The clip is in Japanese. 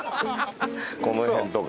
この辺とか。